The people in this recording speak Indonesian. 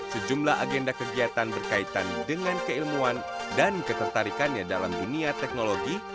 sejumlah agenda kegiatan berkaitan dengan keilmuan dan ketertarikannya dalam dunia teknologi